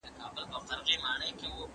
په تاريخي سير کې يې ژور تاثير وکړ.